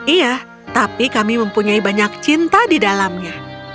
iya tapi kami mempunyai banyak cinta di dalamnya